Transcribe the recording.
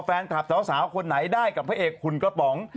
แฟนคลับสาวคนไหนได้กับพระเอกคุณกระป๋อง